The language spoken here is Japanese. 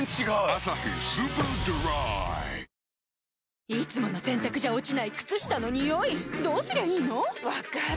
「アサヒスーパードライ」いつもの洗たくじゃ落ちない靴下のニオイどうすりゃいいの⁉分かる。